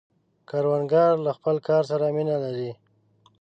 کروندګر له خپل کار سره مینه لري